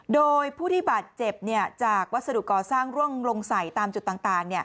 โดยผู้ที่บาดเจ็บจากวัสดุก่อสร้างร่วงลงใส่ตามจุดต่าง